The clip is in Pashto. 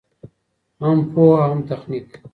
هم پوهه او هم تخنیک.